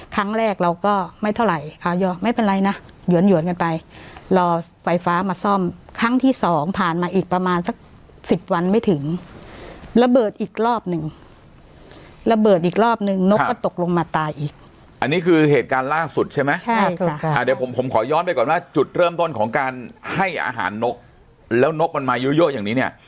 ครั้งแรกเราก็ไม่เท่าไหร่ไม่เป็นไรนะหยวนหวนกันไปรอไฟฟ้ามาซ่อมครั้งที่สองผ่านมาอีกประมาณสักสิบวันไม่ถึงระเบิดอีกรอบหนึ่งระเบิดอีกรอบนึงนกก็ตกลงมาตายอีกอันนี้คือเหตุการณ์ล่าสุดใช่ไหมใช่ค่ะอ่าเดี๋ยวผมผมขอย้อนไปก่อนว่าจุดเริ่มต้นของการให้อาหารนกแล้วนกมันมาเยอะเยอะอย่างนี้เนี่ย